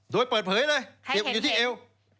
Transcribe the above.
โดยเปิดเผยเลยเก็บอยู่ที่เอว